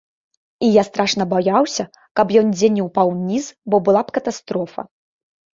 І я страшна баяўся, каб ён дзе не ўпаў уніз, бо была б катастрофа.